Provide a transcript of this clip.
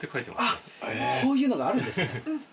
あっそういうのがあるんですね。